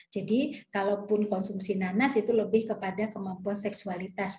jadi kalaupun konsumsi nanas itu lebih kepada kemampuan seksualitasnya